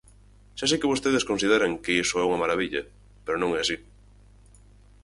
Xa sei que vostedes consideran que iso é unha marabilla, pero non é así.